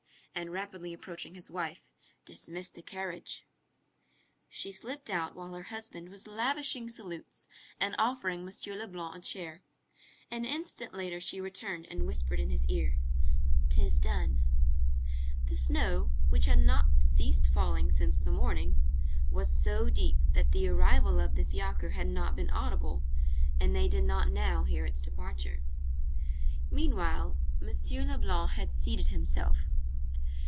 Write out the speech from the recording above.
And rapidly approaching his wife:— "Dismiss the carriage!" She slipped out while her husband was lavishing salutes and offering M. Leblanc a chair. An instant later she returned and whispered in his ear:— "'Tis done." The snow, which had not ceased falling since the morning, was so deep that the arrival of the fiacre had not been audible, and they did not now hear its departure. Meanwhile, M. Leblanc had seated himself.